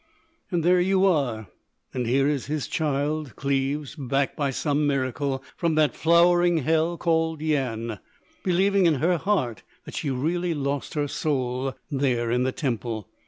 And there you are:—and here is his child, Cleves—back, by some miracle, from that flowering hell called Yian, believing in her heart that she really lost her soul there in the temple.